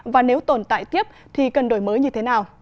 và nếu tồn tại tiếp thì cần đổi mới như thế nào